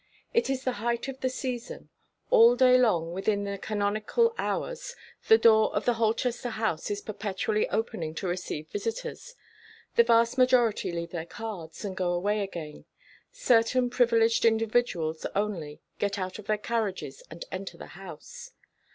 It is the height of the season. All day long, within the canonical hours, the door of Holchester House is perpetually opening to receive visitors. The vast majority leave their cards, and go away again. Certain privileged individuals only, get out of their carriages, and enter the house.